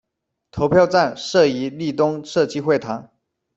投票站设于利东社区会堂。